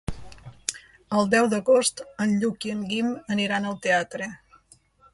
El deu d'agost en Lluc i en Guim aniran al teatre.